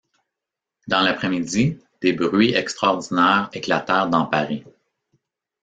Dans l’après-midi, des bruits extraordinaires éclatèrent dans Paris.